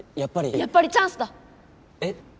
やっぱりチャンスだ！え？